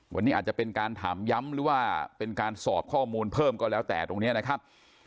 วันนี้อาจจะเป็นการถามย้ำหรือว่าเป็นการสอบข้อมูลเพิ่มก็แล้วแต่ตรงนี้นะครับ